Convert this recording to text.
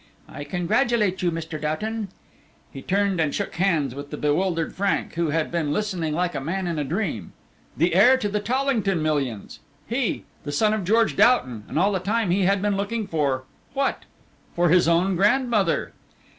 I congratulate you, Mr. Doughton." He turned and shook hands with the bewildered Frank, who had been listening like a man in a dream; the heir to the Tollington millions; he, the son of George Doughton, and all the time he had been looking for what? For his own grandmother!